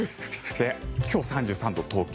今日、３３度、東京。